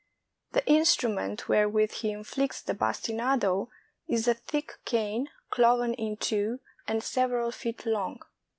The instrument wherewith he inflicts the bastinado is a thick cane, cloven in two, and several feet long.